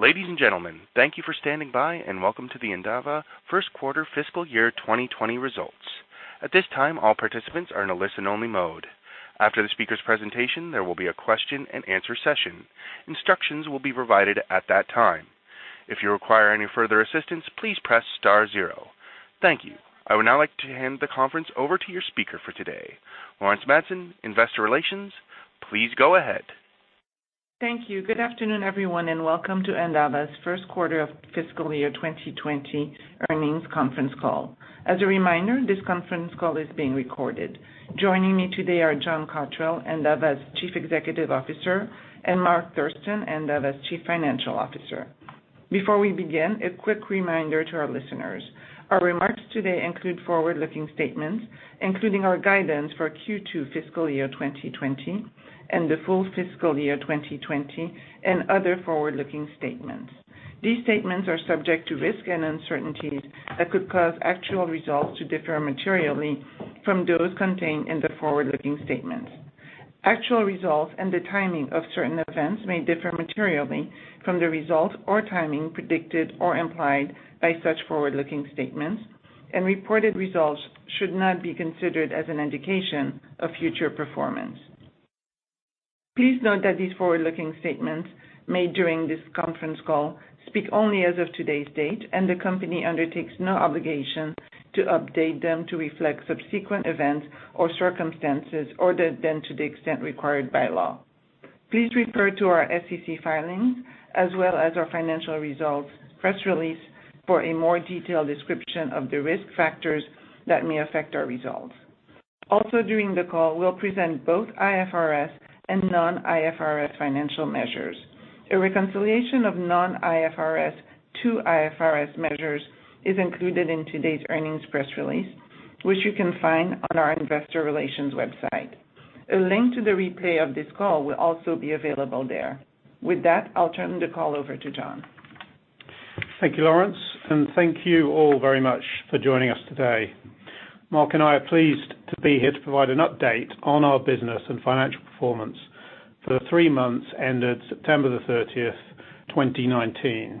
Ladies and gentlemen, thank you for standing by. Welcome to the Endava first quarter fiscal year 2020 results. At this time, all participants are in a listen- only mode. After the speaker's presentation, there will be a question and answer session. Instructions will be provided at that time. If you require any further assistance, please press star zero. Thank you. I would now like to hand the conference over to your speaker for today, Laurence Madsen, investor relations. Please go ahead. Thank you. Good afternoon, everyone, and welcome to Endava's first quarter of fiscal year 2020 earnings conference call. As a reminder, this conference call is being recorded. Joining me today are John Cotterell, Endava's Chief Executive Officer, and Mark Thurston, Endava's Chief Financial Officer. Before we begin, a quick reminder to our listeners. Our remarks today include forward-looking statements, including our guidance for Q2 fiscal year 2020 and the full fiscal year 2020 and other forward-looking statements. These statements are subject to risks and uncertainties that could cause actual results to differ materially from those contained in the forward-looking statements. Actual results and the timing of certain events may differ materially from the results or timing predicted or implied by such forward-looking statements, and reported results should not be considered as an indication of future performance. Please note that these forward-looking statements made during this conference call speak only as of today's date, and the company undertakes no obligation to update them to reflect subsequent events or circumstances, other than to the extent required by law. Please refer to our SEC filings as well as our financial results press release for a more detailed description of the risk factors that may affect our results. Also during the call, we'll present both IFRS and non-IFRS financial measures. A reconciliation of non-IFRS to IFRS measures is included in today's earnings press release, which you can find on our investor relations website. A link to the replay of this call will also be available there. With that, I'll turn the call over to John. Thank you, Laurence, and thank you all very much for joining us today. Mark and I are pleased to be here to provide an update on our business and financial performance for the three months ended September the 30th, 2019.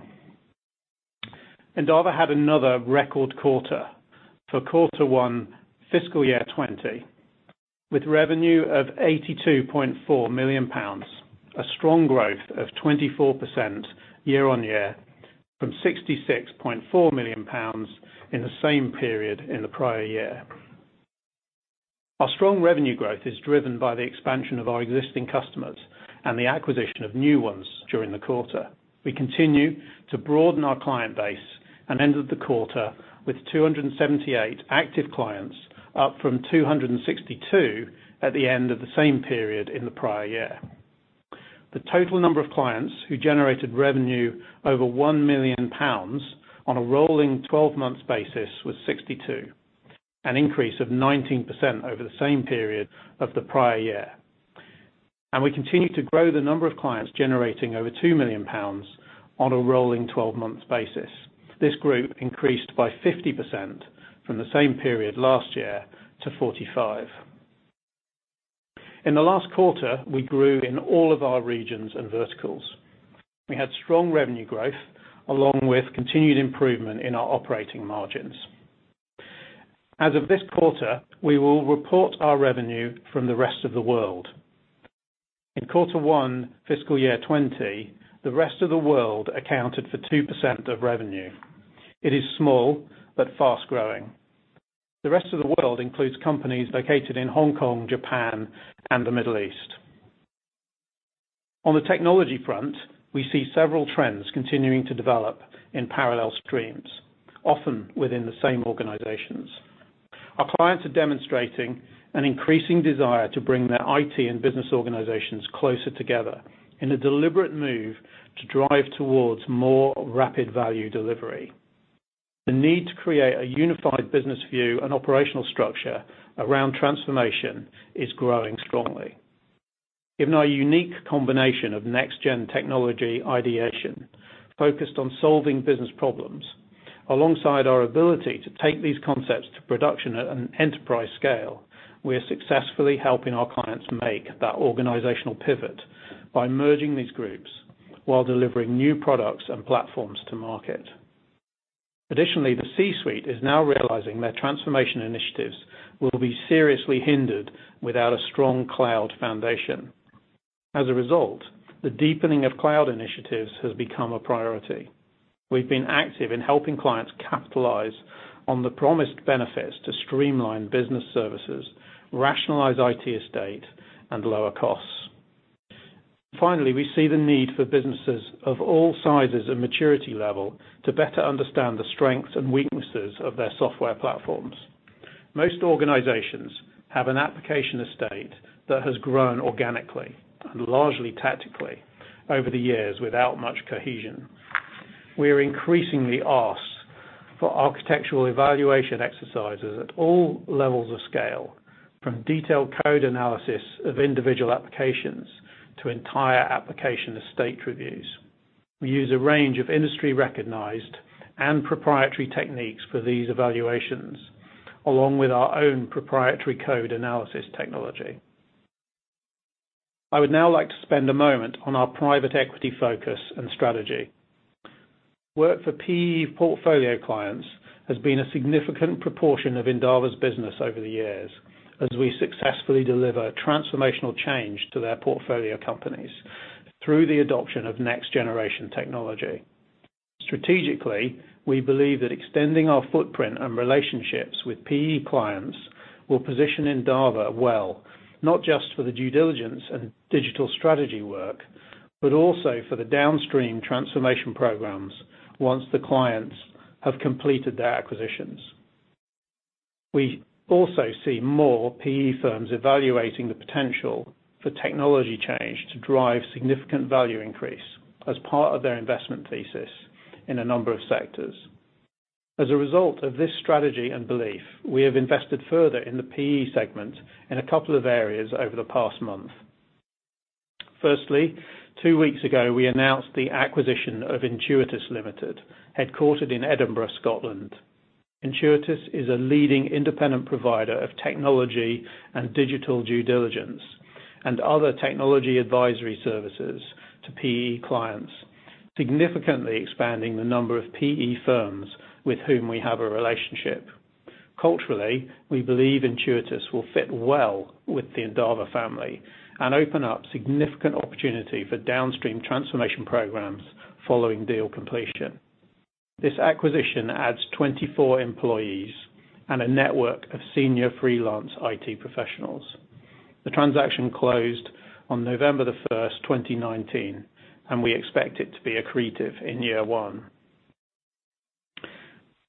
Endava had another record quarter for quarter one fiscal year 2020, with revenue of 82.4 million pounds, a strong growth of 24% year-on-year from 66.4 million pounds in the same period in the prior year. Our strong revenue growth is driven by the expansion of our existing customers and the acquisition of new ones during the quarter. We continue to broaden our client base and ended the quarter with 278 active clients, up from 262 at the end of the same period in the prior year. The total number of clients who generated revenue over 1 million pounds on a rolling 12-month basis was 62, an increase of 19% over the same period of the prior year. We continue to grow the number of clients generating over 2 million pounds on a rolling 12-month basis. This group increased by 50% from the same period last year to 45%. In the last quarter, we grew in all of our regions and verticals. We had strong revenue growth along with continued improvement in our operating margins. As of this quarter, we will report our revenue from the Rest of the World. In quarter one of fiscal year 2020, the Rest of the World accounted for 2% of revenue. It is small but fast-growing. The Rest of the World includes companies located in Hong Kong, Japan, and the Middle East. On the technology front, we see several trends continuing to develop in parallel streams, often within the same organizations. Our clients are demonstrating an increasing desire to bring their IT and business organizations closer together in a deliberate move to drive towards more rapid value delivery. The need to create a unified business view and operational structure around transformation is growing strongly. Given our unique combination of next-gen technology ideation focused on solving business problems, alongside our ability to take these concepts to production at an enterprise scale, we are successfully helping our clients make that organizational pivot by merging these groups while delivering new products and platforms to market. Additionally, the C-suite is now realizing their transformation initiatives will be seriously hindered without a strong cloud foundation. The deepening of cloud initiatives has become a priority. We've been active in helping clients capitalize on the promised benefits to streamline business services, rationalize IT estate, and lower costs. Finally, we see the need for businesses of all sizes and maturity levels to better understand the strengths and weaknesses of their software platforms. Most organizations have an application estate that has grown organically and largely tactically over the years without much cohesion. We are increasingly asked for architectural evaluation exercises at all levels of scale, from detailed code analysis of individual applications to entire application estate reviews. We use a range of industry-recognized and proprietary techniques for these evaluations, along with our own proprietary code analysis technology. I would now like to spend a moment on our private equity focus and strategy. Work for PE portfolio clients has been a significant proportion of Endava's business over the years, as we successfully deliver transformational change to their portfolio companies through the adoption of next-generation technology. Strategically, we believe that extending our footprint and relationships with PE clients will position Endava well, not just for the due diligence and digital strategy work, but also for the downstream transformation programs once the clients have completed their acquisitions. We also see more PE firms evaluating the potential for technology change to drive significant value increase as part of their investment thesis in a number of sectors. As a result of this strategy and belief, we have invested further in the PE segment in a couple of areas over the past month. Firstly, two weeks ago, we announced the acquisition of Intuitus Limited, headquartered in Edinburgh, Scotland. Intuitus is a leading independent provider of technology and digital due diligence and other technology advisory services to PE clients, significantly expanding the number of PE firms with whom we have a relationship. Culturally, we believe Intuitus will fit well with the Endava family and open up significant opportunity for downstream transformation programs following deal completion. This acquisition adds 24 employees and a network of senior freelance IT professionals. The transaction closed on November 1st, 2019, and we expect it to be accretive in year one.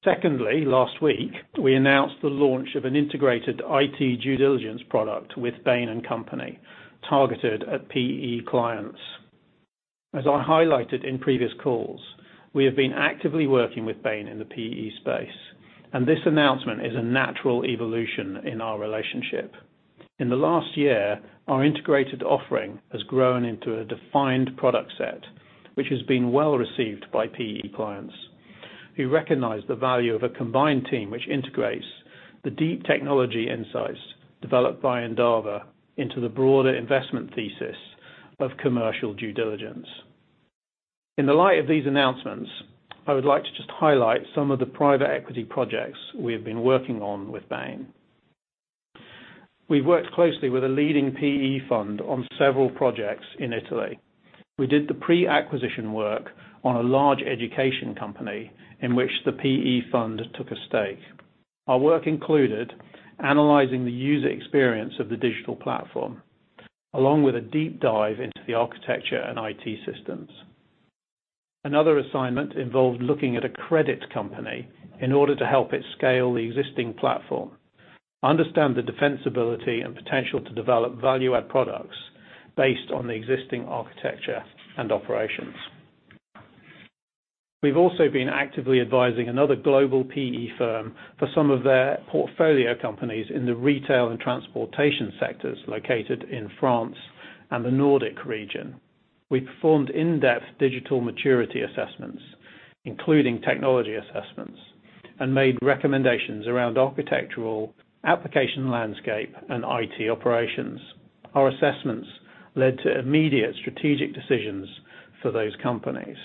Secondly, last week, we announced the launch of an integrated IT due diligence product with Bain & Company, targeted at PE clients. As I highlighted in previous calls, we have been actively working with Bain in the PE space, and this announcement is a natural evolution in our relationship. In the last year, our integrated offering has grown into a defined product set, which has been well received by PE clients who recognize the value of a combined team which integrates the deep technology insights developed by Endava into the broader investment thesis of commercial due diligence. In the light of these announcements, I would like to just highlight some of the private equity projects we have been working on with Bain. We've worked closely with a leading PE fund on several projects in Italy. We did the pre-acquisition work on a large education company in which the PE fund took a stake. Our work included analyzing the user experience of the digital platform, along with a deep dive into the architecture and IT systems. Another assignment involved looking at a credit company in order to help it scale the existing platform, understand the defensibility and potential to develop value-added products based on the existing architecture and operations. We've also been actively advising another global PE firm for some of their portfolio companies in the retail and transportation sectors located in France and the Nordic region. We performed in-depth digital maturity assessments, including technology assessments, and made recommendations around architectural, application landscape, and IT operations. Our assessments led to immediate strategic decisions for those companies.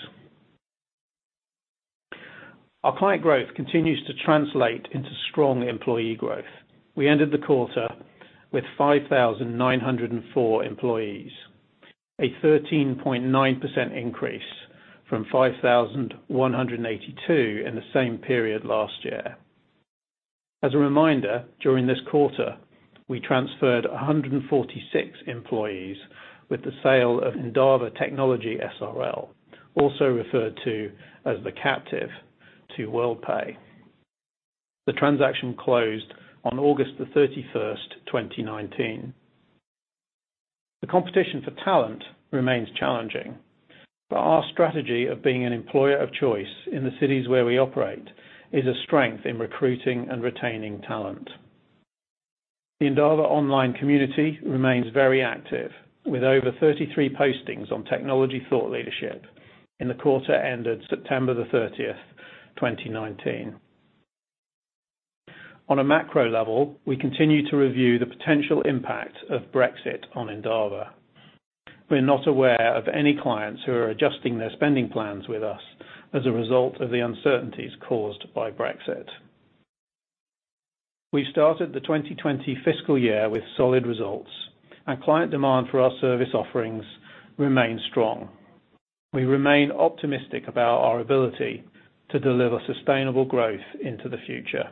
Our client growth continues to translate into strong employee growth. We ended the quarter with 5,904 employees, a 13.9% increase from 5,182 in the same period last year. As a reminder, during this quarter, we transferred 146 employees with the sale of Endava Technology S.R.L., also referred to as the Captive to Worldpay. The transaction closed on August 31st, 2019. The competition for talent remains challenging, but our strategy of being an employer of choice in the cities where we operate is a strength in recruiting and retaining talent. The Endava online community remains very active, with over 33 postings on technology thought leadership in the quarter ended September 30th, 2019. On a macro level, we continue to review the potential impact of Brexit on Endava. We're not aware of any clients who are adjusting their spending plans with us as a result of the uncertainties caused by Brexit. We started the 2020 fiscal year with solid results, and client demand for our service offerings remains strong. We remain optimistic about our ability to deliver sustainable growth into the future.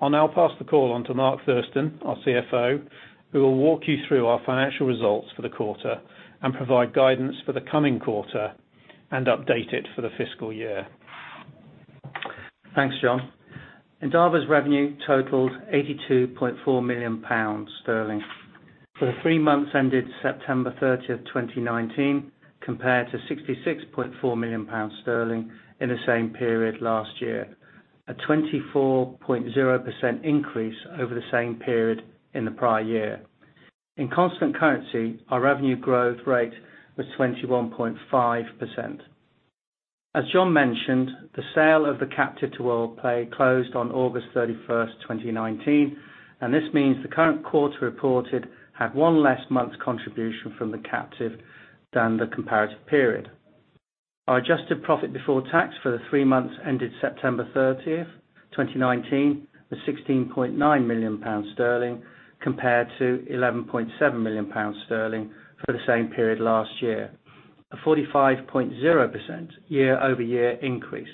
I'll now pass the call on to Mark Thurston, our CFO, who will walk you through our financial results for the quarter, and provide guidance for the coming quarter, and update it for the fiscal year. Thanks, John. Endava's revenue totaled 82.4 million sterling for the three months ended September 30th, 2019, compared to 66.4 million sterling in the same period last year, a 24.0% increase over the same period in the prior year. In constant currency, our revenue growth rate was 21.5%. As John mentioned, the sale of the Captive to Worldpay closed on August 31st, 2019, and this means the current quarter reported had one less month's contribution from the Captive than the comparative period. Our adjusted profit before tax for the three months ended September 30th, 2019 was 16.9 million sterling compared to 11.7 million sterling for the same period last year. A 45.0% year-over-year increase.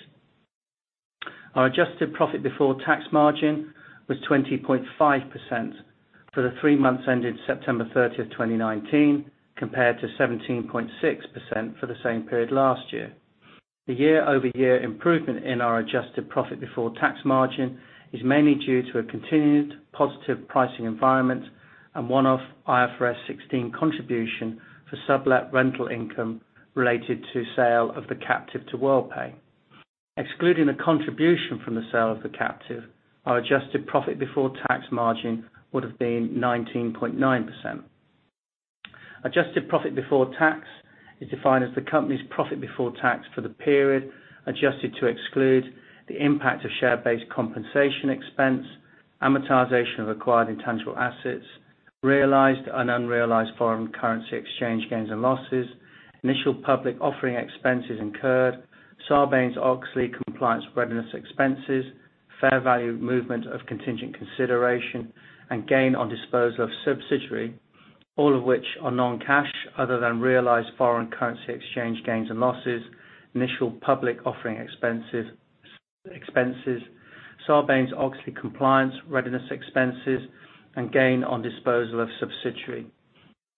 Our adjusted profit before tax margin was 20.5% for the three months ended September 30th, 2019, compared to 17.6% for the same period last year. The year-over-year improvement in our adjusted profit before tax margin is mainly due to a continued positive pricing environment and one-off IFRS 16 contribution for sublet rental income related to sale of the Captive to Worldpay. Excluding the contribution from the sale of the Captive, our adjusted profit before tax margin would have been 19.9%. Adjusted profit before tax is defined as the company's profit before tax for the period, adjusted to exclude the impact of share-based compensation expense, amortization of acquired intangible assets, realized and unrealized foreign currency exchange gains and losses, initial public offering expenses incurred, Sarbanes-Oxley compliance readiness expenses, fair value movement of contingent consideration, and gain on disposal of subsidiary. All of which are non-cash other than realized foreign currency exchange gains and losses, initial public offering expenses, Sarbanes-Oxley compliance readiness expenses, and gain on disposal of subsidiary.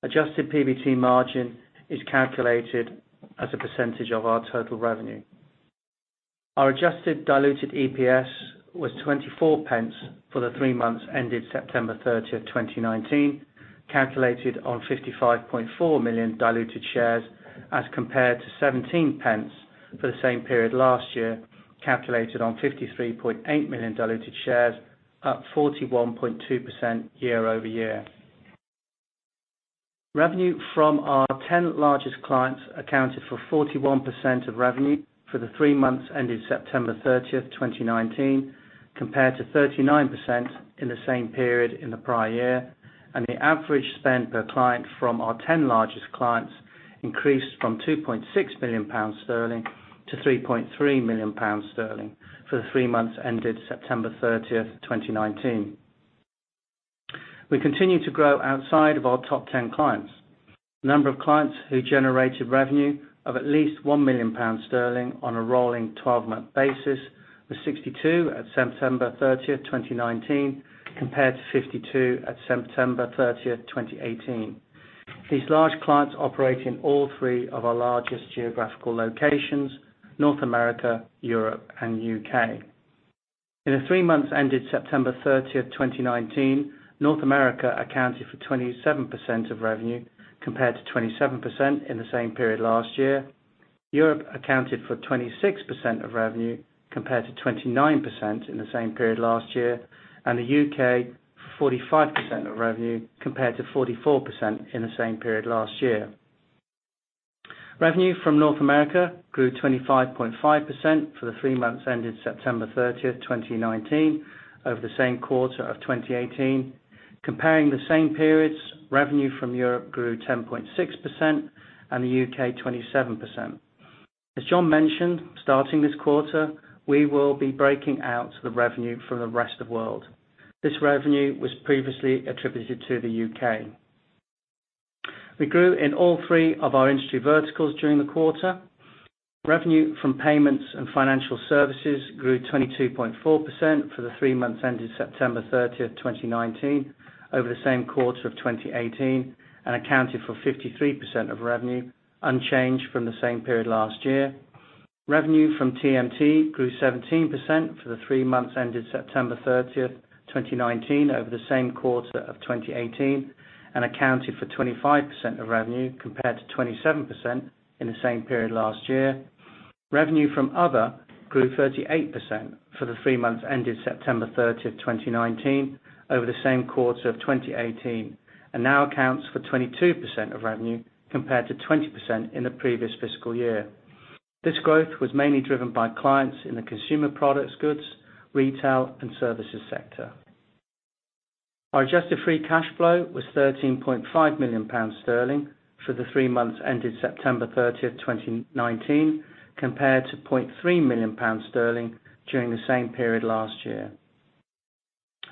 Adjusted PBT margin is calculated as a percentage of our total revenue. Our adjusted diluted EPS was 0.24 for the three months ended September 30th, 2019, calculated on 55.4 million diluted shares as compared to 0.17 for the same period last year, calculated on 53.8 million diluted shares, up 41.2% year-over-year. Revenue from our 10 largest clients accounted for 41% of revenue for the three months ended September 30th, 2019, compared to 39% in the same period in the prior year, and the average spend per client from our 10 largest clients increased from 2.6 million-3.3 million sterling for the three months ended September 30th, 2019. We continue to grow outside of our top 10 clients. Number of clients who generated revenue of at least 1 million sterling on a rolling 12-month basis was 62 at September 30th, 2019, compared to 52 at September 30th, 2018. These large clients operate in all three of our largest geographical locations, North America, Europe, and U.K. In the three months ended September 30th, 2019, North America accounted for 27% of revenue, compared to 27% in the same period last year. Europe accounted for 26% of revenue, compared to 29% in the same period last year, and the U.K., 45% of revenue compared to 44% in the same period last year. Revenue from North America grew 25.5% for the three months ended September 30th, 2019, over the same quarter of 2018. Comparing the same periods, revenue from Europe grew 10.6%, and the U.K., 27%. As John mentioned, starting this quarter, we will be breaking out the revenue from the Rest of the World. This revenue was previously attributed to the U.K.. We grew in all three of our industry verticals during the quarter. Revenue from payments and financial services grew 22.4% for the three months ended September 30th, 2019, over the same quarter of 2018, and accounted for 53% of revenue, unchanged from the same period last year. Revenue from TMT grew 17% for the three months ended September 30th, 2019, over the same quarter of 2018, and accounted for 25% of revenue, compared to 27% in the same period last year. Revenue from other grew 38% for the three months ended September 30th, 2019, over the same quarter of 2018, and now accounts for 22% of revenue, compared to 20% in the previous fiscal year. This growth was mainly driven by clients in the consumer products goods, retail, and services sector. Our adjusted free cash flow was 13.5 million sterling for the three months ended September 30th, 2019, compared to 0.3 million sterling during the same period last year.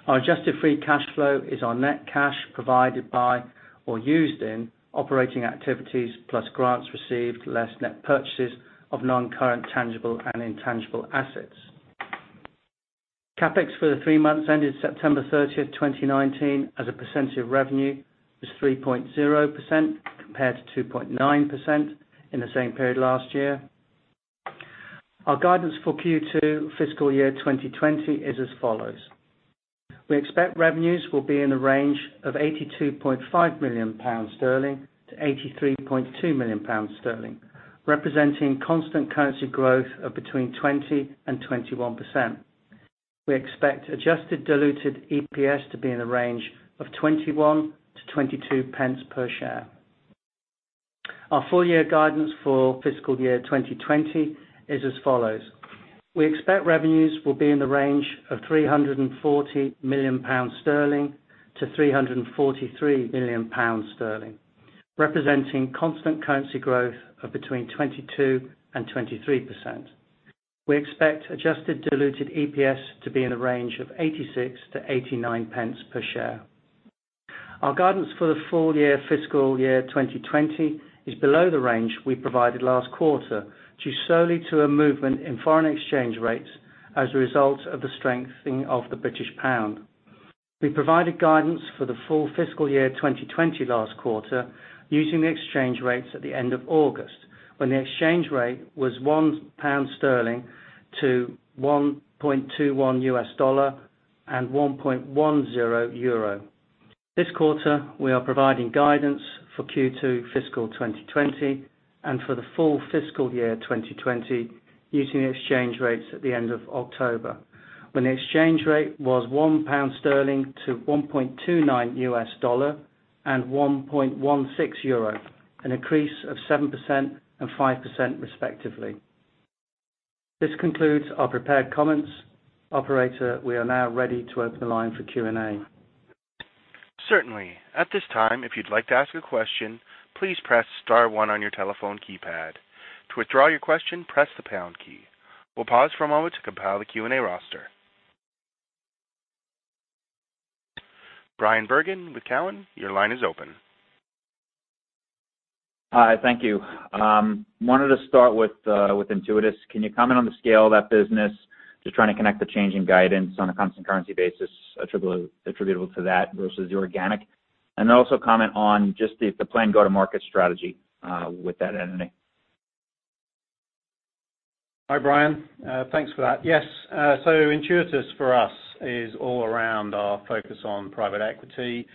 Our adjusted free cash flow is our net cash provided by or used in operating activities, plus grants received, less net purchases of non-current tangible and intangible assets. CapEx for the three months ended September 30, 2019, as a percentage of revenue was 3.0%, compared to 2.9% in the same period last year. Our guidance for Q2 fiscal year 2020 is as follows. We expect revenues will be in the range of 82.5 million-83.2 million sterling, representing constant currency growth of between 20%-21%. We expect adjusted diluted EPS to be in the range of 0.21-0.22 per share. Our full year guidance for fiscal year 2020 is as follows. We expect revenues will be in the range of 340 million-343 million sterling, representing constant currency growth of between 22%-23%. We expect adjusted diluted EPS to be in the range of 0.86-0.89 per share. Our guidance for the full year fiscal year 2020 is below the range we provided last quarter, due solely to a movement in foreign exchange rates as a result of the strengthening of the British pound. We provided guidance for the full fiscal year 2020 last quarter, using the exchange rates at the end of August, when the exchange rate was GBP 1-$1.21 and 1.10 euro. This quarter, we are providing guidance for Q2 fiscal 2020, and for the full fiscal year 2020 using exchange rates at the end of October, when the exchange rate was GBP 1-$1.29 and 1.16 euro, an increase of 7% and 5% respectively. This concludes our prepared comments. Operator, we are now ready to open the line for Q&A. Certainly. At this time, if you'd like to ask a question, please press star one on your telephone keypad. To withdraw your question, press the pound key. We'll pause for a moment to compile the Q&A roster. Bryan Bergin with Cowen, your line is open. Hi, thank you. I wanted to start with Intuitus. Can you comment on the scale of that business? I am just trying to connect the change in guidance on a constant currency basis attributable to that versus the organic. Then also comment on just the planned go-to-market strategy with that entity. Hi, Bryan. Thanks for that. Yes. Intuitus, for us, is all around our focus on private equity,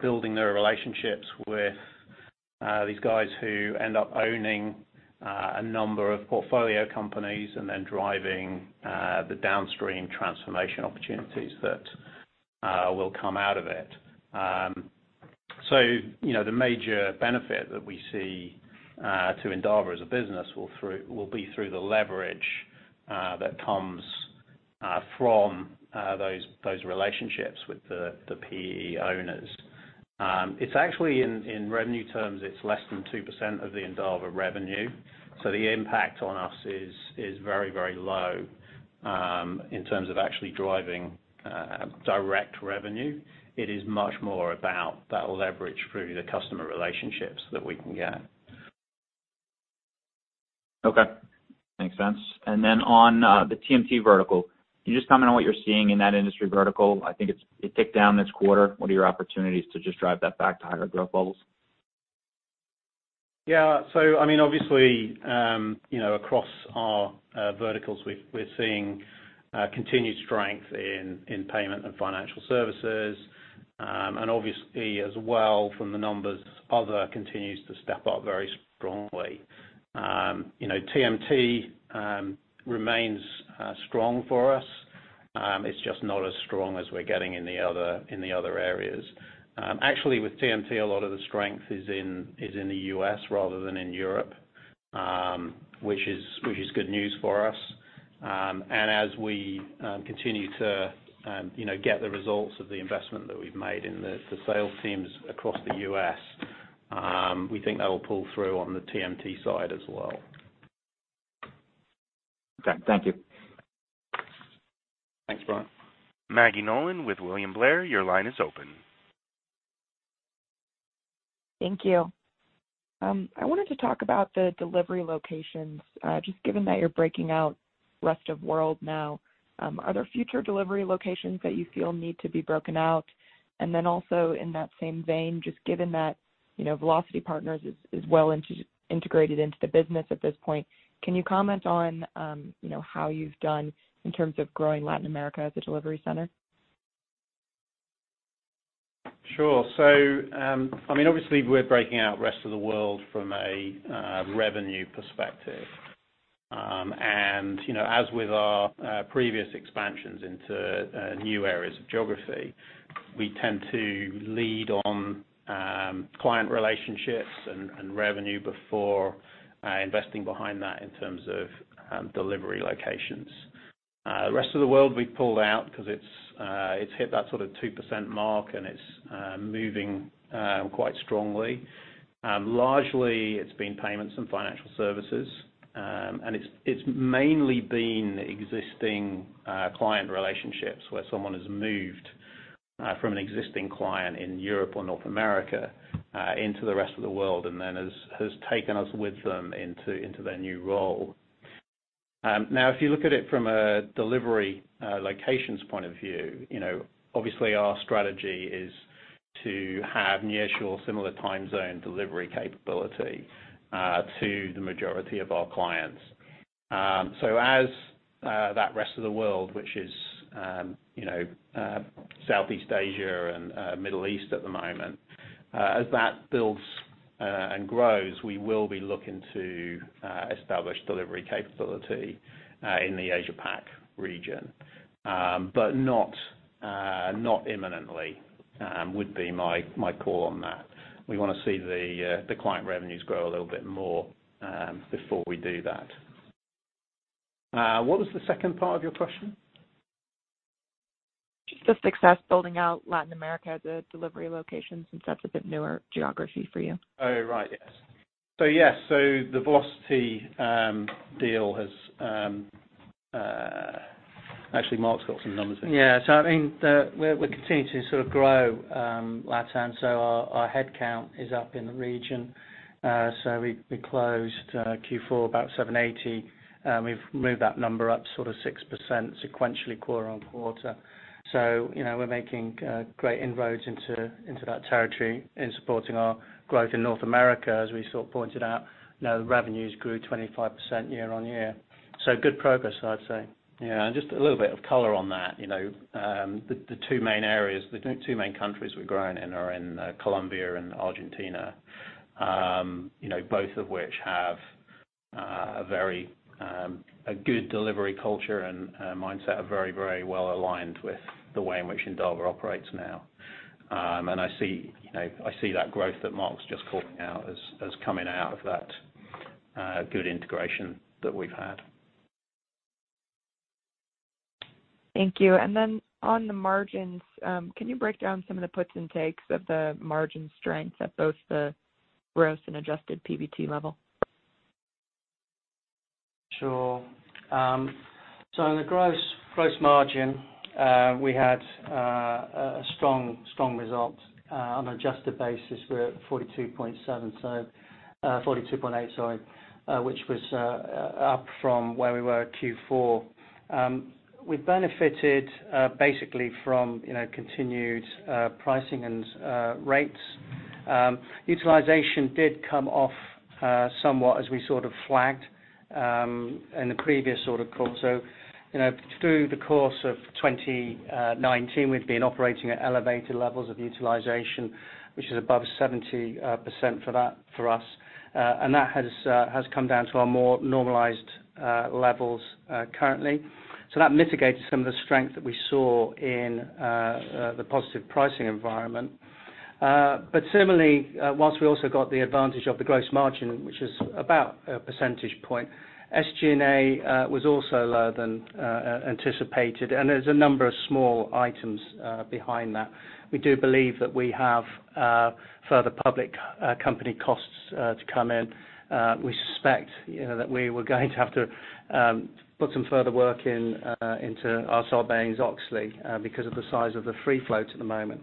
building their relationships with these guys who end up owning a number of portfolio companies, and then driving the downstream transformation opportunities that will come out of it. The major benefit that we see to Endava as a business will be through the leverage that comes from those relationships with the PE owners. It's actually, in revenue terms, it's less than 2% of the Endava revenue. The impact on us is very very low in terms of actually driving direct revenue. It is much more about that leverage through the customer relationships that we can get. Okay. Makes sense. On the TMT vertical, can you just comment on what you're seeing in that industry vertical? I think it ticked down this quarter. What are your opportunities to just drive that back to higher growth levels? Yeah. Obviously, across our verticals, we're seeing continued strength in payments and financial services. Obviously, as well from the numbers, other continues to step up very strongly. TMT remains strong for us. It's just not as strong as we're getting in the other areas. Actually, with TMT, a lot of the strength is in the U.S. rather than in Europe, which is good news for us. As we continue to get the results of the investment that we've made in the sales teams across the U.S., we think that will pull through on the TMT side as well. Okay. Thank you. Thanks, Bryan. Maggie Nolan with William Blair, your line is open. Thank you. I wanted to talk about the delivery locations. Just given that you're breaking out Rest of the World now, are there future delivery locations that you feel need to be broken out? Then also in that same vein, just given that Velocity Partners is well integrated into the business at this point, can you comment on how you've done in terms of growing Latin America as a delivery center? Sure. Obviously, we're breaking out Rest of the World from a revenue perspective. As with our previous expansions into new areas of geography, we tend to lead on client relationships and revenue before investing behind that in terms of delivery locations. Rest of the World we pulled out because it's hit that sort of 2% mark, and it's moving quite strongly. Largely, it's been payments and financial services. It's mainly been existing client relationships, where someone has moved from an existing client in Europe or North America into the Rest of the World, and then has taken us with them into their new role. If you look at it from a delivery location's point of view, you know, obviously, our strategy is to have nearshore or similar time zone delivery capability to the majority of our clients. As that Rest of the World, which is, you know, Southeast Asia and Middle East at the moment, as that builds and grows, we will be looking to establish delivery capability in the Asia-Pac region. Not imminently would be my call on that. We want to see the client revenues grow a little bit more before we do that. What was the second part of your question? Just the success building out Latin America as a delivery location, since that's a bit newer geography for you. Oh, right. Yes. Yes, actually, Mark's got some numbers here. Yeah. I think that we're continuing to sort of grow LatAm, our headcount is up in the region. We closed Q4 about 780. We've moved that number up sort of 6% sequentially quarter-over-quarter. We're making great inroads into that territory in supporting our growth in North America, as we sort of pointed out. Now the revenues grew 25% year-over-year. Good progress, I'd say. Just a little bit of color on that. The two main areas, the two main countries we're growing in, are in Colombia and Argentina. Both of which have a good delivery culture and mindset, are very well aligned with the way in which Endava operates now. I see that growth that Mark was just calling out as coming out of that good integration that we've had. Thank you. On the margins, can you break down some of the puts and takes of the margin strength at both the gross and adjusted PBT level? Sure. The gross margin, we had a strong result. On an adjusted basis, we're at 42.7%, 42.8%, sorry, which was up from where we were at Q4. We benefited basically from continued pricing and rates. Utilization did come off somewhat, as we sort of flagged in the previous sort of call. Through the course of 2019, we've been operating at elevated levels of utilization, which is above 70% for us. That has come down to our more normalized levels currently. That mitigates some of the strength that we saw in the positive pricing environment. Similarly, whilst we also got the advantage of the gross margin, which is about a percentage point, SG&A was also lower than anticipated, and there's a number of small items behind that. We do believe that we have further public company costs to come in. We suspect that we were going to have to put some further work into our Sarbanes-Oxley, because of the size of the free float at the moment.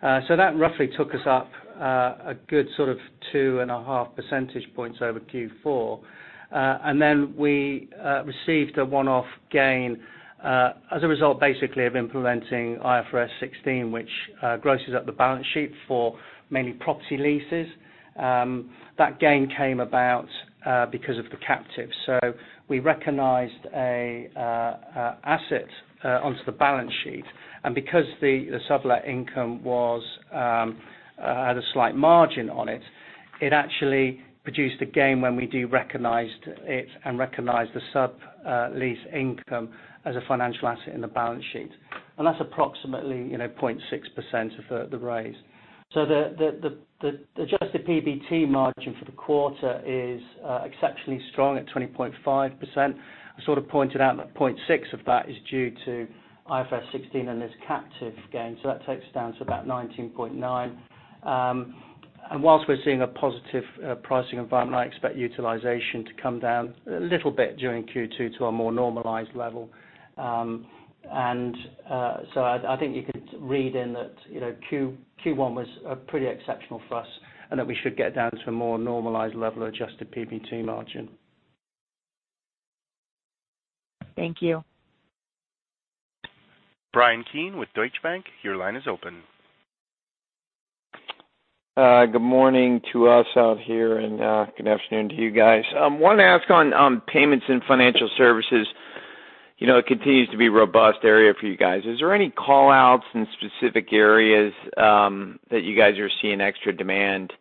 That roughly took us up a good sort of 2.5 percentage points over Q4. We received a one-off gain as a result basically of implementing IFRS 16, which grosses up the balance sheet for mainly property leases. That gain came about because of the Captive. We recognized an asset onto the balance sheet, and because the sublet income had a slight margin, on it actually produced a gain when we do recognized it and recognized the sublease income as a financial asset in the balance sheet. That's approximately 0.6% of the raise. The adjusted PBT margin for the quarter is exceptionally strong at 20.5%. I sort of pointed out that 0.6% of that is due to IFRS 16 and this Captive gain, so that takes it down to about 19.9%. Whilst we're seeing a positive pricing environment, I expect utilization to come down a little bit during Q2 to a more normalized level. I think you could read in that Q1 was pretty exceptional for us, and that we should get down to a more normalized level of adjusted PBT margin. Thank you. Bryan Keane with Deutsche Bank, your line is open. Good morning to us out here, and good afternoon to you guys. I wanted to ask on Payments and Financial Services. It continues to be a robust area for you guys. Is there any call-outs in specific areas that you guys are seeing extra demand?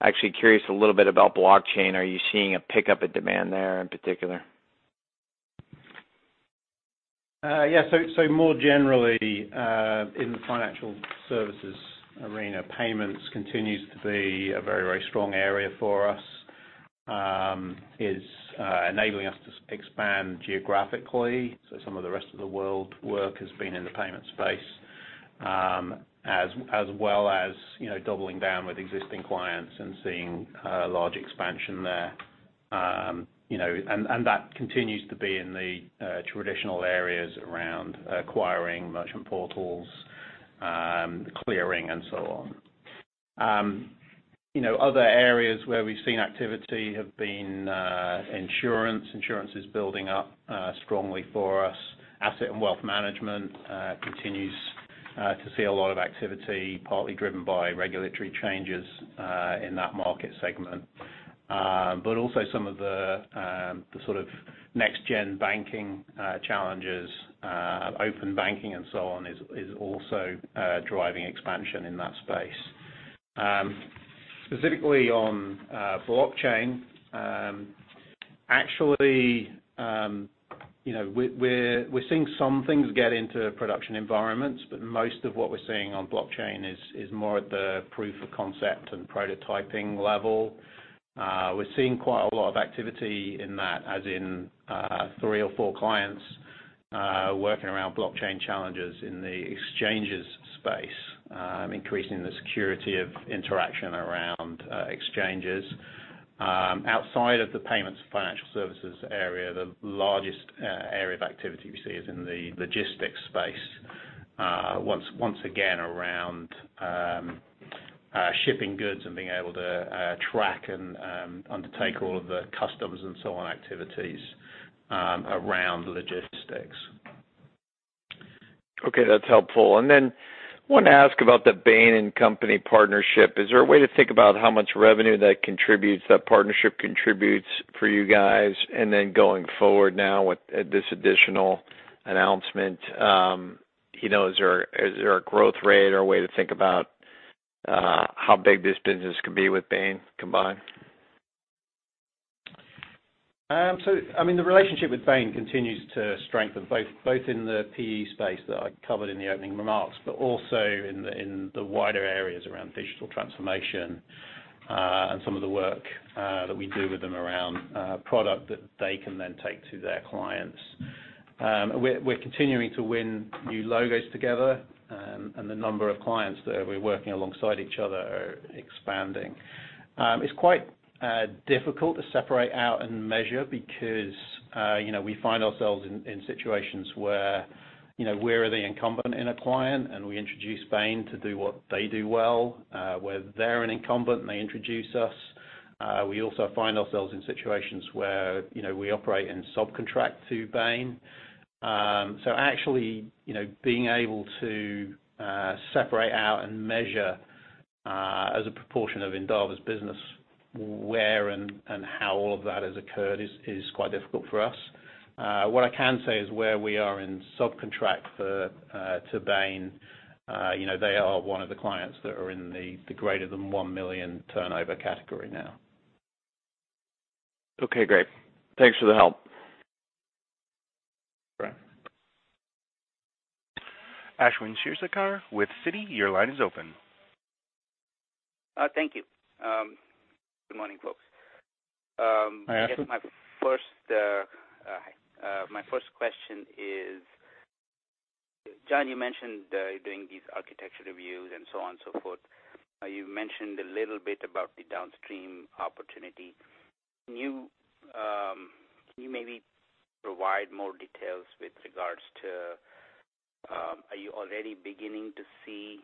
I am actually curious a little bit about blockchain. Are you seeing a pickup in demand there in particular? Yeah. More generally, in the financial services arena, payments continue to be a very strong area for us. It is enabling us to expand geographically. Some of the Rest of the World's work has been in the payments space, as well as doubling down with existing clients and seeing large expansion there. That continues to be in the traditional areas around acquiring merchant portals, clearing, and so on. Other areas where we've seen activity have been insurance. Insurance is building up strongly for us. Asset and wealth management continues to see a lot of activity, partly driven by regulatory changes in that market segment. Also, some of the next-gen banking challenges, open banking, and so on is also driving expansion in that space. Specifically on blockchain, actually, we're seeing some things get into production environments, but most of what we're seeing on blockchain is more at the proof of concept and prototyping level. We're seeing quite a lot of activity in that, as in three or four clients working around blockchain challenges in the exchanges space, increasing the security of interaction around exchanges. Outside of the payments and financial services area, the largest area of activity we see is in the logistics space, once again around shipping goods and being able to track and undertake all of the customs and so on activities around logistics. Okay. That's helpful. Wanted to ask about the Bain & Company partnership. Is there a way to think about how much revenue that partnership contributes for you guys? Then going forward now with this additional announcement, is there a growth rate or a way to think about how big this business could be with Bain combined? I mean the relationship with Bain continues to strengthen both in the PE space that I covered in the opening remarks, but also in the wider areas around digital transformation, and some of the work that we do with them around products that they can then take to their clients. We're continuing to win new logos together, and the number of clients that we're working alongside each other is expanding. It's quite difficult to separate out and measure because we find ourselves in situations where we're the incumbent in a client, and we introduce Bain to do what they do well. Where they're an incumbent, and they introduce us. We also find ourselves in situations where we operate in subcontract to Bain. Being able to separate out and measure, as a proportion of Endava's business, where and how all of that has occurred is quite difficult for us. What I can say is where we are in subcontract to Bain, they are one of the clients that are in the greater than 1 million turnover category now. Okay, great. Thanks for the help. Great. Ashwin Shirvaikar with Citi, your line is open. Thank you. Good morning, folks. Hi, Ashwin. I guess my first question is, John, you mentioned doing these architecture reviews and so on and so forth. You mentioned a little bit about the downstream opportunity. Can you maybe provide more details with regards to, are you already beginning to see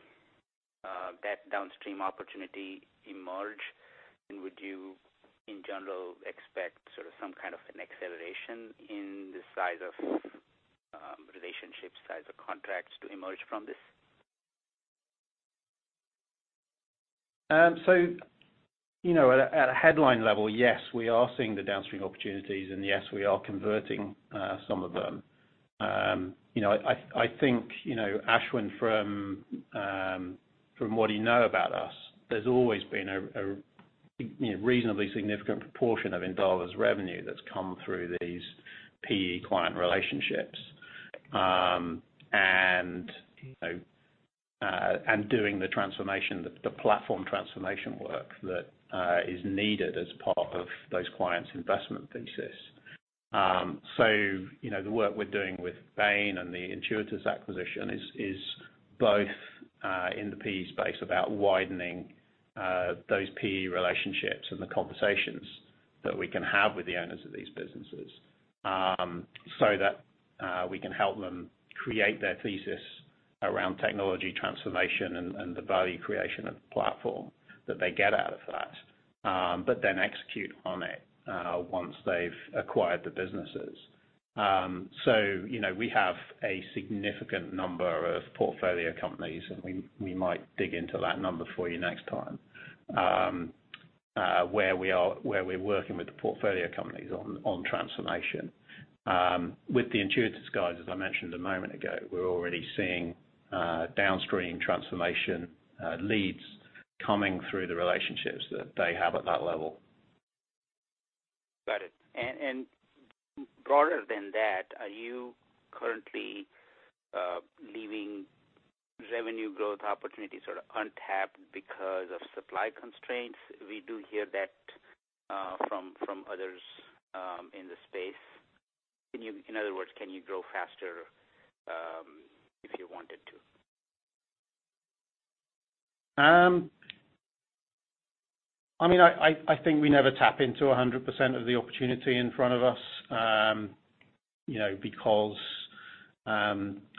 that downstream opportunity emerge? Would you in general expect sort of some kind of an acceleration in the size of relationships, size of contracts to emerge from this? At a headline level, yes, we are seeing the downstream opportunities and yes, we are converting some of them. I think, Ashwin, from what you know about us, there's always been a reasonably significant proportion of Endava's revenue that's come through these PE client relationships. Doing the transformation, the platform transformation work that is needed as part of those clients' investment thesis. The work we're doing with Bain and the Intuitus acquisition is both in the PE space about widening those PE relationships and the conversations that we can have with the owners of these businesses, so that we can help them create their thesis around technology transformation and the value creation of the platform that they get out of that. Execute on it, once they've acquired the businesses. We have a significant number of portfolio companies, and we might dig into that number for you next time, where we're working with the portfolio companies on transformation. With the Intuitus guys, as I mentioned a moment ago, we're already seeing downstream transformation leads coming through the relationships that they have at that level. Got it. Broader than that, are you currently leaving revenue growth opportunities sort of untapped because of supply constraints? We do hear that from others in the space. In other words, can you grow faster if you wanted to? I think we never tap into 100% of the opportunity in front of us, because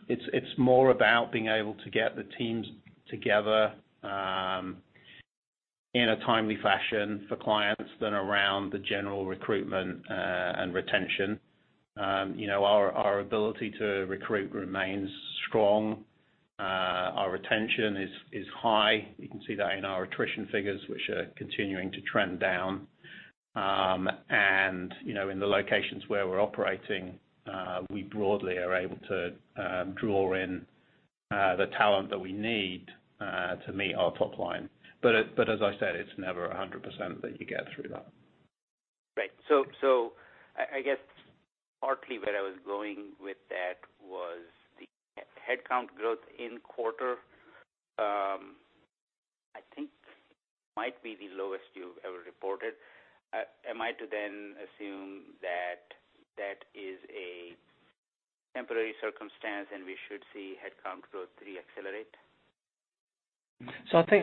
it's more about being able to get the teams together in a timely fashion for clients than around the general recruitment and retention. Our ability to recruit remains strong. Our retention is high. You can see that in our attrition figures, which are continuing to trend down. In the locations where we're operating, we broadly are able to draw in the talent that we need to meet our top line. As I said, it's never 100% that you get through that. Right. I guess partly where I was going with that was the headcount growth in quarter. I think might be the lowest you've ever reported. Am I to then assume that that is a temporary circumstance, and we should see headcount growth re-accelerate?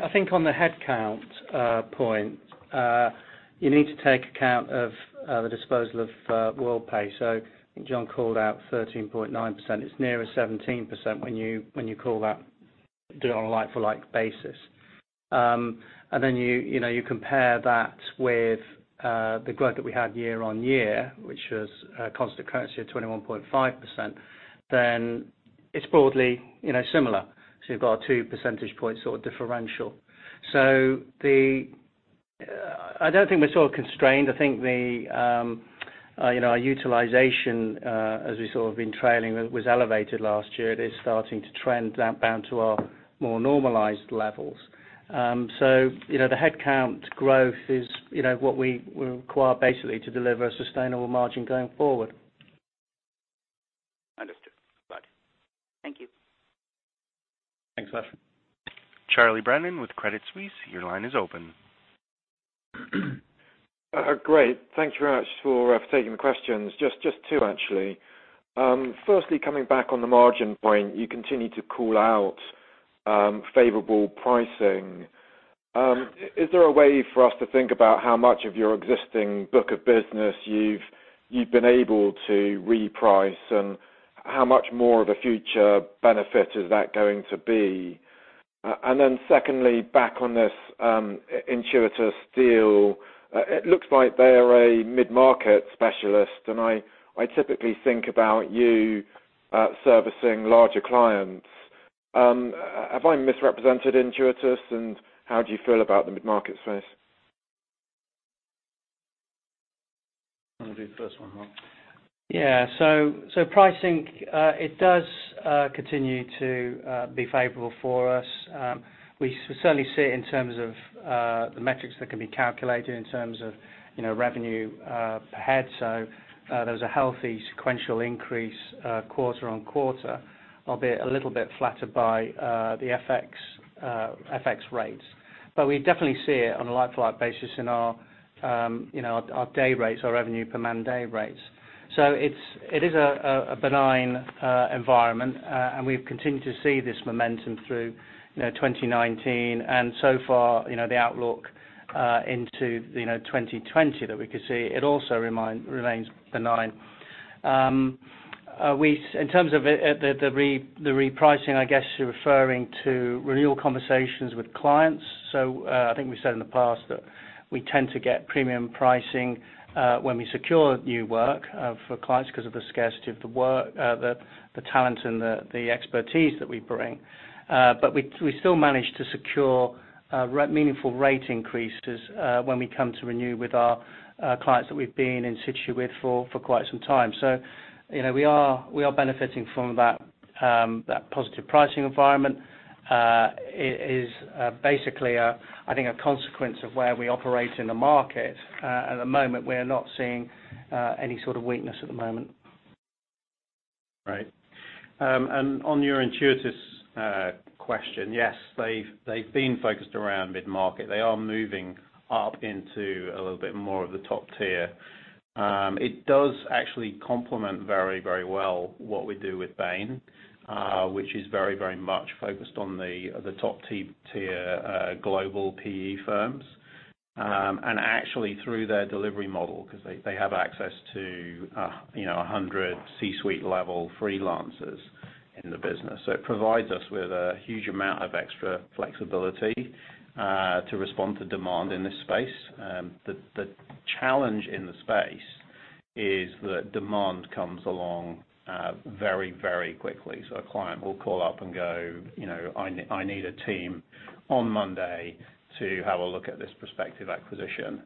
I think on the headcount point, you need to take account of the disposal of Worldpay. I think John called out 13.9%. It's nearer 17% when you call that, do it on a like-for-like basis. You compare that with the growth that we had year-over-year, which was constant currency of 21.5%, it's broadly similar. You've got two percentage points differential. I don't think we're constrained. I think our utilization, as we been trailing, was elevated last year. It is starting to trend back down to our more normalized levels. The headcount growth is what we require basically to deliver sustainable margin going forward. Understood. Got it. Thank you. Thanks a lot. Charlie Brennan with Credit Suisse, your line is open. Great. Thank you very much for taking the questions. Just two, actually. Firstly, coming back on the margin point, you continue to call out favorable pricing. Is there a way for us to think about how much of your existing book of business you've been able to reprice, and how much more of a future benefit is that going to be? Secondly, back on this Intuitus deal. It looks like they're a mid-market specialist, and I typically think about you servicing larger clients. Have I misrepresented Intuitus, and how do you feel about the mid-market space? You want to do the first one, Mark? Yeah. Pricing, it does continue to be favorable for us. We certainly see it in terms of the metrics that can be calculated in terms of revenue per head. There's a healthy sequential increase quarter-on-quarter, albeit a little bit flattered by the FX rates. We definitely see it on a like-to-like basis in our day rates, our revenue per man day rates. It is a benign environment, and we've continued to see this momentum through 2019. So far, the outlook into 2020 that we could see, it also remains benign. In terms of the repricing, I guess you're referring to renewal conversations with clients. I think we said in the past that we tend to get premium pricing when we secure new work for clients because of the scarcity of the talent and the expertise that we bring. We still manage to secure meaningful rate increases when we come to renew with our clients that we've been on site with for quite some time. We are benefiting from that positive pricing environment. It is basically, I think, a consequence of where we operate in the market. At the moment, we're not seeing any sort of weakness at the moment. Right. On your Intuitus question, yes, they've been focused around mid-market. They are moving up into a little bit more of the top tier. It does actually complement very well what we do with Bain, which is very, very much focused on the top tier global PE firms. Actually, through their delivery model, because they have access to 100 C-suite level freelancers in the business. It provides us with a huge amount of extra flexibility to respond to demand in this space. The challenge in the space is that demand comes along very very quickly. A client will call up and go, "I need a team on Monday to have a look at this prospective acquisition."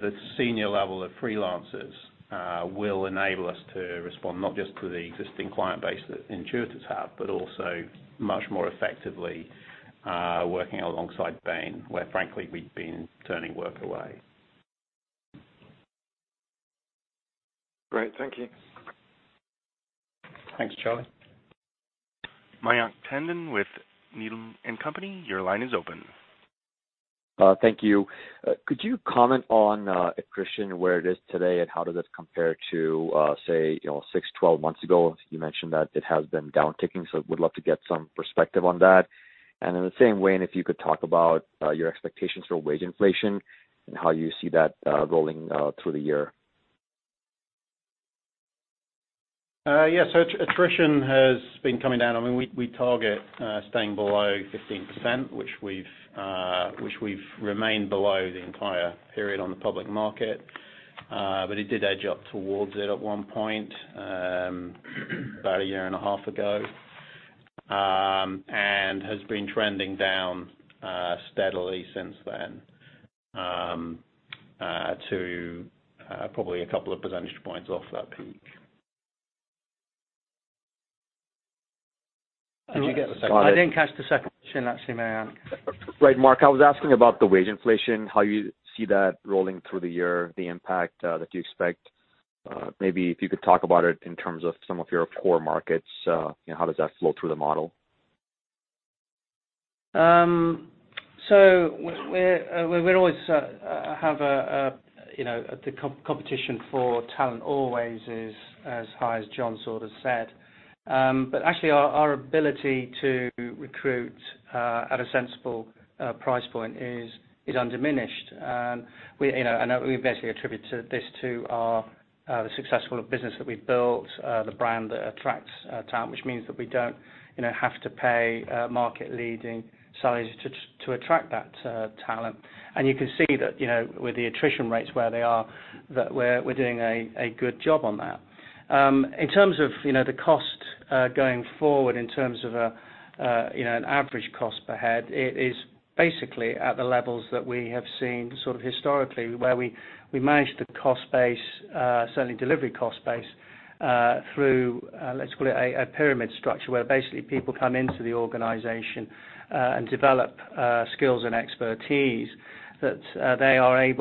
The senior level of freelancers will enable us to respond not just to the existing client base that Intuitus have, but also much more effectively working alongside Bain, where frankly we've been turning work away. Great. Thank you. Thanks, Charlie. Mayank Tandon with Needham & Company, your line is open. Thank you. Could you comment on attrition, where it is today, and how does it compare to, say, six, 12 months ago? You mentioned that it has been downticking, so would love to get some perspective on that. In the same way, and if you could talk about your expectations for wage inflation and how you see that rolling through the year? Yeah. Attrition has been coming down. We target staying below 15%, which we've remained below the entire period on the public market. It did edge up towards it at one point about a year and a half ago, and has been trending down steadily since then to probably a couple of percentage points off that peak. I didn't catch the second question, actually, Mayank. Right. Mark, I was asking about the wage inflation, how you see that rolling through the year, the impact that you expect. Maybe if you could talk about it in terms of some of your core markets, how does that flow through the model? We always have the competition for talent always is as high as John sort of said. Actually, our ability to recruit at a sensible price point is undiminished. We basically attribute this to the successful business that we've built, the brand that attracts talent, which means that we don't have to pay market-leading salaries to attract that talent. You can see that with the attrition rates where they are, that we're doing a good job on that. In terms of the cost going forward, in terms of an average cost per head, it is basically at the levels that we have seen historically, where we manage the cost base, certainly delivery cost base, through, let's call it a pyramid structure, where basically people come into the organization and develop skills and expertise that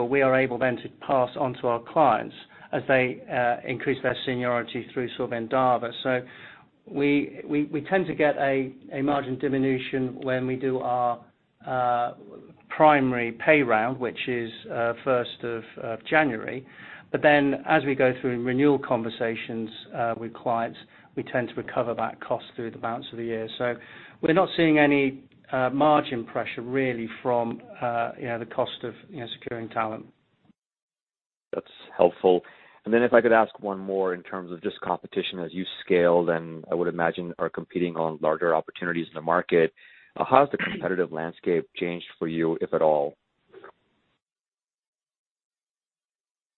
we are able then to pass onto our clients as they increase their seniority through Endava. Then as we go through renewal conversations with clients, we tend to recover that cost through the balance of the year. We're not seeing any margin pressure, really, from the cost of securing talent. That's helpful. If I could ask one more in terms of just competition as you scale, then I would imagine are competing on larger opportunities in the market. How has the competitive landscape changed for you, if at all?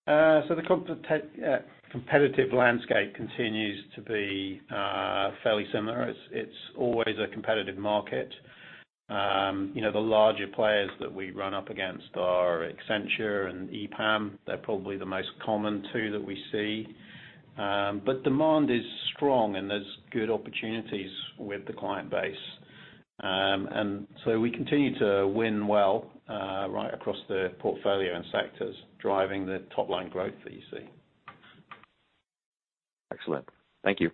The competitive landscape continues to be fairly similar. It's always a competitive market. The larger players that we run up against are Accenture and EPAM. They're probably the most common two that we see. Demand is strong, and there's good opportunities with the client base. We continue to win well right across the portfolio and sectors, driving the top-line growth that you see. Excellent. Thank you.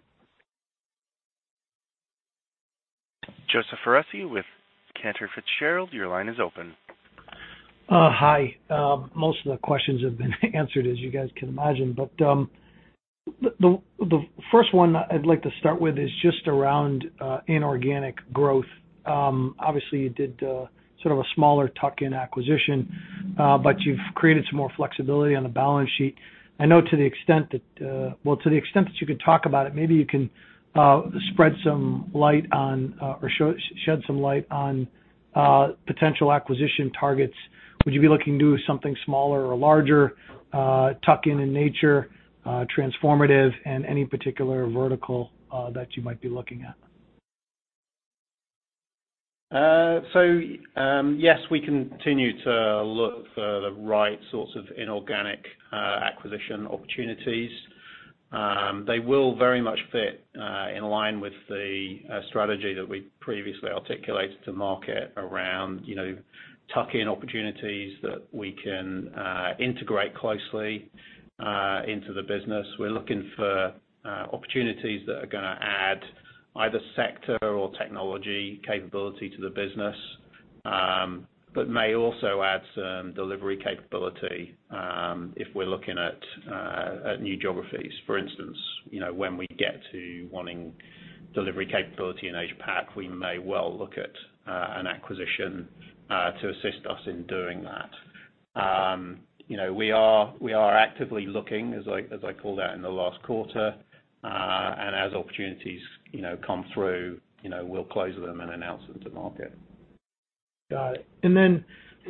Joseph Foresi with Cantor Fitzgerald, your line is open. Hi. Most of the questions have been answered, as you guys can imagine. The first one I'd like to start with is just around inorganic growth. Obviously, you did sort of a smaller tuck-in acquisition, but you've created some more flexibility on the balance sheet. I know, to the extent that you could talk about it, maybe you can shed some light on potential acquisition targets. Would you be looking to do something smaller or larger, tuck-in in nature, transformative, and any particular vertical that you might be looking at? Yes, we continue to look for the right sorts of inorganic acquisition opportunities. They will very much fit in line with the strategy that we previously articulated to market around tuck-in opportunities that we can integrate closely into the business. We're looking for opportunities that are going to add either sector or technology capability to the business, but may also add some delivery capability if we're looking at new geographies. For instance, when we get to wanting delivery capability in Asia Pac, we may well look at an acquisition to assist us in doing that. We are actively looking, as I called out in the last quarter. As opportunities come through, we'll close them and announce them to market. Got it. Kind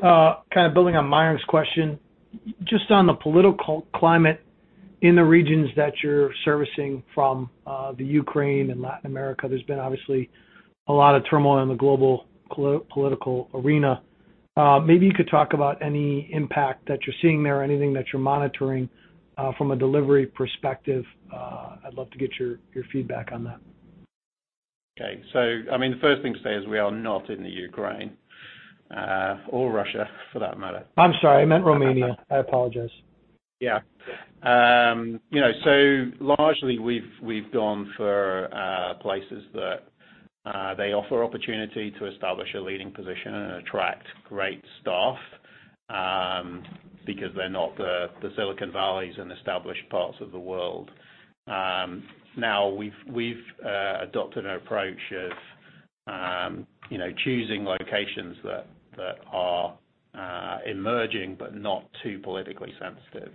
of building on Mayank's question, just on the political climate in the regions that you're servicing from Ukraine and Latin America, there's been obviously a lot of turmoil in the global political arena. Maybe you could talk about any impact that you're seeing there, anything that you're monitoring from a delivery perspective. I'd love to get your feedback on that. Okay. The first thing to say is we are not in the Ukraine, or Russia for that matter. I'm sorry. I meant Romania. I apologize. Yeah. Largely, we've gone for places that they offer opportunity to establish a leading position and attract great staff, because they're not the Silicon Valleys and established parts of the world. Now, we've adopted an approach of choosing locations that are emerging, but not too politically sensitive.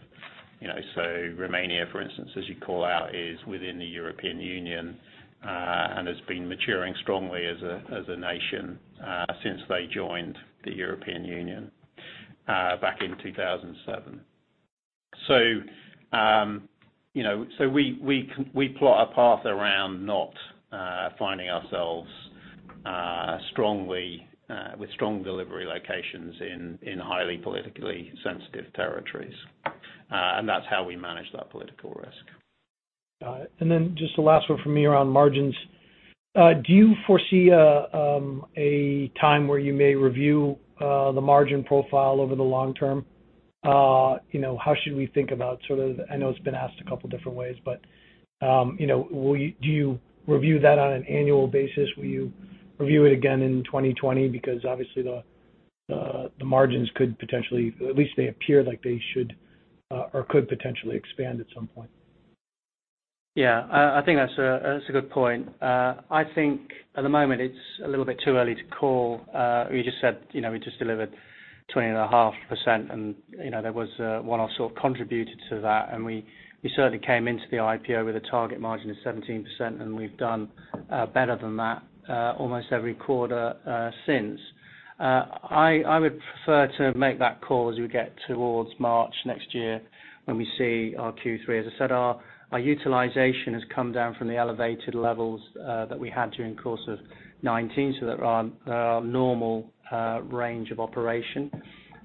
Romania, for instance, as you call out, is within the European Union, and has been maturing strongly as a nation since they joined the European Union back in 2007. We plot a path around not finding ourselves with strong delivery locations in highly politically sensitive territories. That's how we manage that political risk. Got it. Then just the last one from me around margins. Do you foresee a time where you may review the margin profile over the long term? How should we think about I know it's been asked a couple different ways, but do you review that on an annual basis? Will you review it again in 2020? Obviously the margins could potentially, at least they appear like they should or could potentially expand at some point. Yeah. I think that's a good point. I think at the moment it's a little bit too early to call. We just said we just delivered 20.5% and there was one-off sort of contributed to that, and we certainly came into the IPO with a target margin of 17%, and we've done better than that almost every quarter since. I would prefer to make that call as we get towards March next year when we see our Q3. As I said, our utilization has come down from the elevated levels that we had during the course of 2019, so they're our normal range of operation.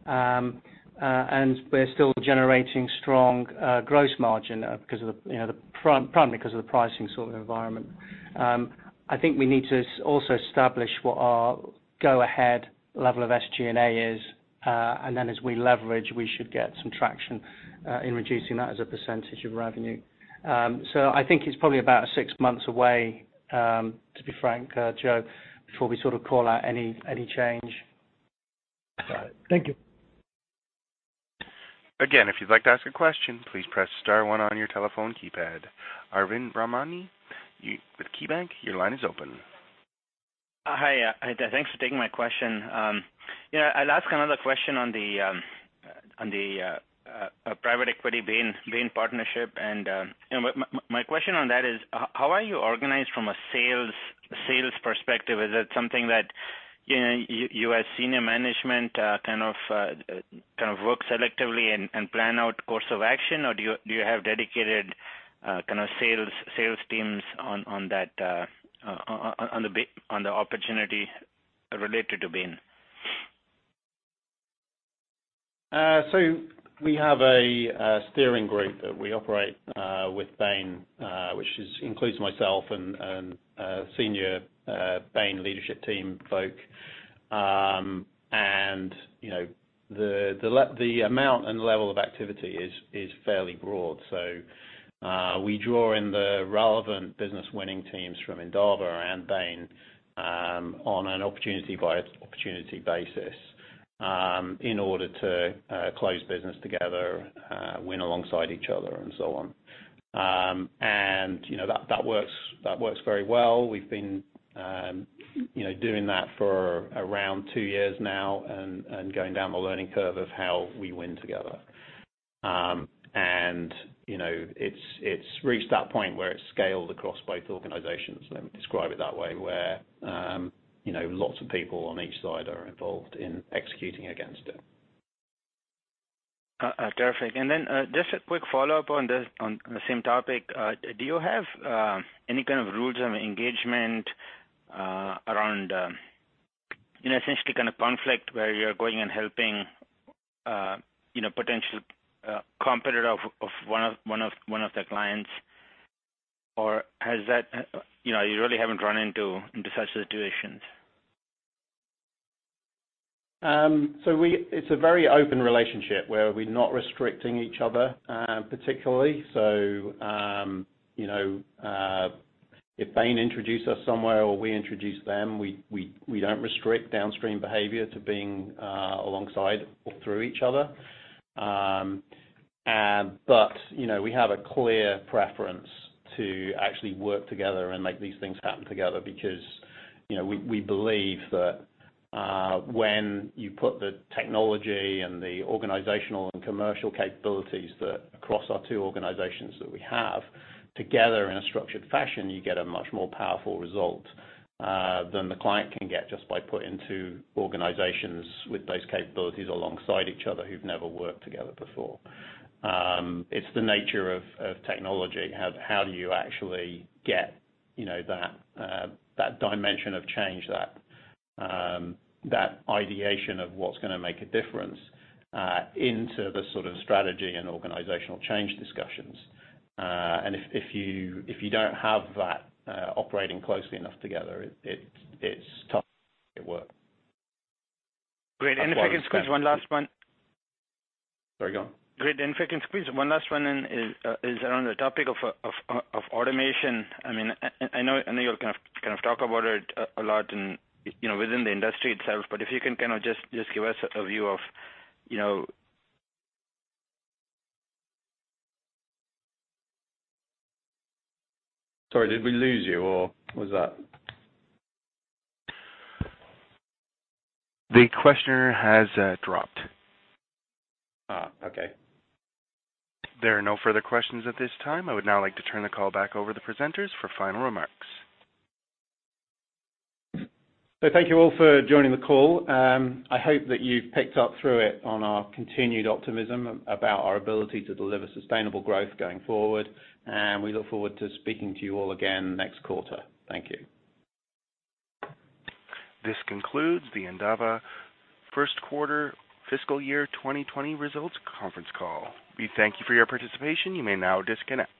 We're still generating strong gross margin, primarily because of the pricing sort of environment. I think we need to also establish what our go-ahead level of SG&A is. As we leverage, we should get some traction in reducing that as a percentage of revenue. I think it's probably about six months away, to be frank, Joe, before we sort of call out any change. Got it. Thank you. If you'd like to ask a question, please press star one on your telephone keypad. Arvind Ramnani with KeyBanc, your line is open. Hi, thanks for taking my question. I'll ask another question on the private equity Bain partnership, and my question on that is, how are you organized from a sales perspective? Is it something that you as senior management kind of work selectively and plan out course of action, or do you have dedicated kind of sales teams on the opportunity related to Bain? We have a steering group that we operate with Bain, which includes myself and senior Bain leadership team folk. The amount and level of activity is fairly broad. We draw in the relevant business winning teams from Endava and Bain on an opportunity basis in order to close business together, win alongside each other and so on. That works very well. We've been doing that for around two years now and going down the learning curve of how we win together. It's reached that point where it's scaled across both organizations. Let me describe it that way, where lots of people on each side are involved in executing against it. Terrific. Just a quick follow-up on the same topic. Do you have any kind of rules of engagement around essentially kind of conflict where you're going and helping potential competitor of one of their clients, or you really haven't run into such situations? It's a very open relationship where we're not restricting each other particularly. If Bain introduce us somewhere or we introduce them, we don't restrict downstream behavior to being alongside or through each other. We have a clear preference to actually work together and make these things happen together because we believe that when you put the technology and the organizational and commercial capabilities across our two organizations that we have together in a structured fashion, you get a much more powerful result than the client can get just by putting two organizations with those capabilities alongside each other who've never worked together before. It's the nature of technology. How do you actually get that dimension of change, that ideation of what's going to make a difference into the sort of strategy and organizational change discussions? If you don't have that operating closely enough together, it's tough to make it work. Great. If I can squeeze one last one. Sorry, go on. Great. If I can squeeze one last one in, is around the topic of automation. I know you kind of talk about it a lot and within the industry itself, but if you can kind of just give us a view of. Sorry, did we lose you or was that? The questioner has dropped. Okay. There are no further questions at this time. I would now like to turn the call back over to the presenters for final remarks. Thank you all for joining the call. I hope that you've picked up through it on our continued optimism about our ability to deliver sustainable growth going forward, and we look forward to speaking to you all again next quarter. Thank you. This concludes the Endava first quarter fiscal year 2020 results conference call. We thank you for your participation. You may now disconnect.